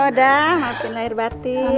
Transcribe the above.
maafin lahir batin